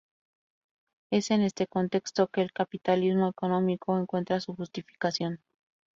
Es en este contexto que el capitalismo económico encuentra su justificación.